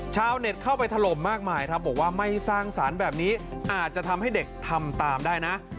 ชาวเน็ตเข้าไปถล่มมากมายครับบอกว่าไม่สร้างสรรค์แบบนี้อาจจะทำให้เด็กทำตามได้นะ